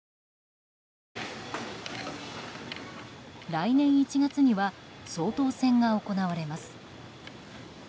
来年１月には総統選が行われます。